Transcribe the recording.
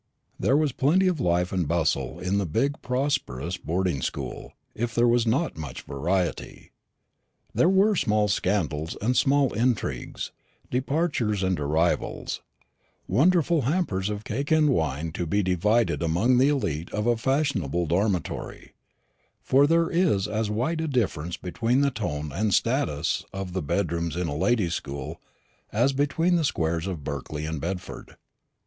There was plenty of life and bustle in the big prosperous boarding school, if there was not much variety. There were small scandals and small intrigues; departures and arrivals; wonderful hampers of cake and wine to be divided among the elect of a fashionable dormitory for there is as wide a difference between the tone and status of the bedrooms in a ladies' school as between the squares of Berkeley and Bedford.